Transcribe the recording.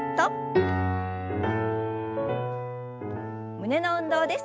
胸の運動です。